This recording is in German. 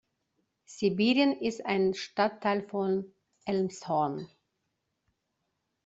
Sibirien ist ein Stadtteil von Elmshorn.